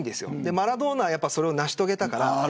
マラドーナはそれをなし遂げているから。